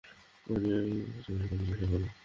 উনি ওই মাস্টারের কলেজের সহকর্মী।